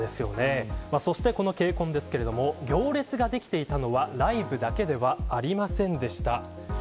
そしてこのＫＣＯＮですが行列ができていたのはライブだけではありませんでした。